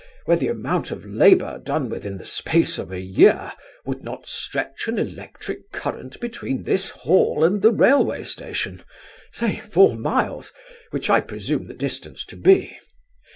where the amount of labour done within the space of a year would not stretch an electric current between this Hall and the railway station: say, four miles, which I presume the distance to be.